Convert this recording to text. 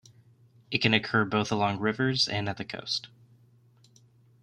It can occur both along rivers and at the coast.